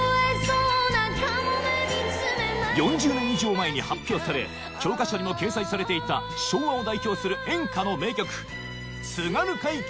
４０年以上前に発表され教科書にも掲載されていた昭和を代表する演歌の名曲